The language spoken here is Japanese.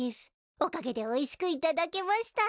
おかげでおいしくいただけました。